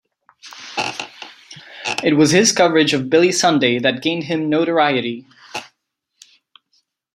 It was his coverage of Billy Sunday that gained him notoriety.